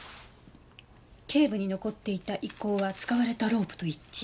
頸部に残っていた縊溝は使われたロープと一致。